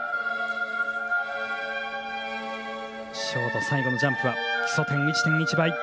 ショート最後のジャンプは基礎点１．１倍。